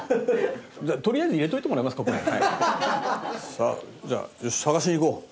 さあじゃあよし探しに行こう。